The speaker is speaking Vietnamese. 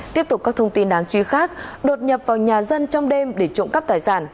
tiếp tục các thông tin đáng chú ý khác đột nhập vào nhà dân trong đêm để trộm cắp tài sản